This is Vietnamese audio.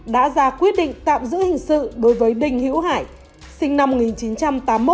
đã ra quyết định tạm giữ hình sự đối với đinh hữu hải sinh năm một nghìn chín trăm tám mươi một